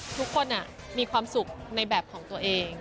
ทุกคนมีความสุขในแบบของตัวเอง